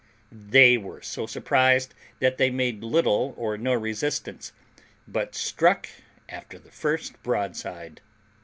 They were so surprised that they made little or no resistance, but struck after the first broadside.